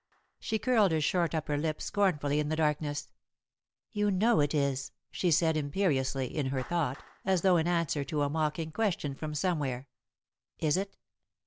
She curled her short upper lip scornfully in the darkness. "You know it is," she said, imperiously, in her thought, as though in answer to a mocking question from somewhere: "Is it?"